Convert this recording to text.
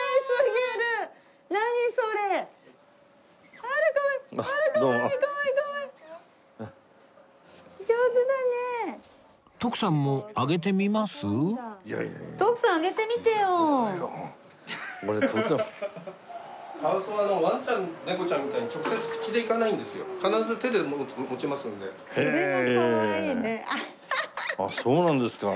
そうなんですか。